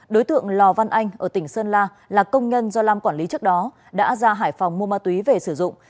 đối tượng lò văn anh ở tỉnh sơn la là công nhân do lam quản lý trước đó đã ra hải phòng mua ma túy về sử dụng